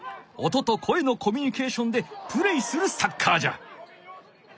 音と声のコミュニケーションでプレーするサッカーじゃ。